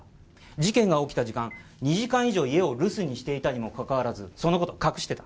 事件が起きた時間２時間以上家を留守にしていたにもかかわらずその事を隠してた。